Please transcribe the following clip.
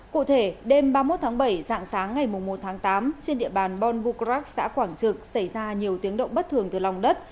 cụ thể đêm ba mươi một tháng bảy dạng sáng ngày một tháng tám trên địa bàn bon bucrac xã quảng trực xảy ra nhiều tiếng động bất thường từ lòng đất